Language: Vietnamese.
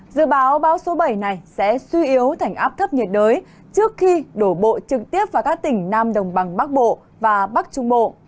dự báo bão số bảy này sẽ suy yếu thành áp thấp nhiệt đới trước khi đổ bộ trực tiếp vào các tỉnh nam đồng bằng bắc bộ và bắc trung bộ